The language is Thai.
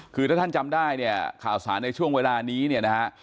คือถ้าท่านจำได้เนี่ยข่าวสารในช่วงเวลานี้เนี่ยนะฮะ